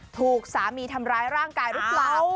ถูกสามีทำร้ายร่างกายหรือเปล่า